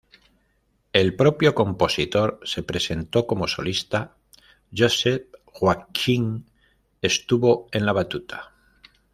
El propio compositor se presentó como solista; Joseph Joachim estuvo en la batuta.